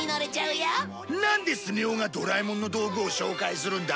なんでスネ夫がドラえもんの道具を紹介するんだ？